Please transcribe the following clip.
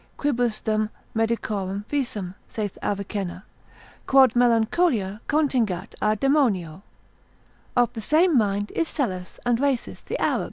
Quibusdam medicorum visum, saith Avicenna, quod Melancholia contingat a daemonio. Of the same mind is Psellus and Rhasis the Arab.